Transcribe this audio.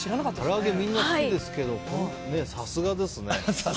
から揚げ、みんな好きですけどさすがですね。